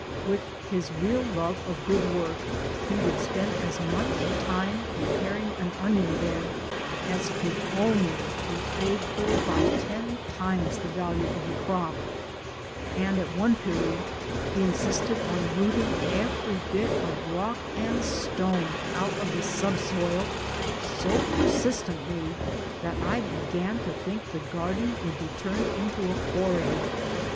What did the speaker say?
With his real love of good work he would spend as much time preparing an onion bed as could only be paid for by ten times the value of the crop ; and at one period he insisted on rooting every bit of rock and stone out of the subsoil so persistently that I began to think the garden would be turned into a quarry